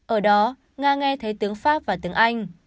ở đó nga nghe thấy tướng pháp và tướng anh